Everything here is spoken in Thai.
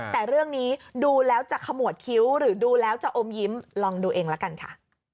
แต่เรื่องนี้ดูแล้วจะขมวดคิ้วหรือดูแล้วจะอมยิ้มลองดูเองละกันค่ะ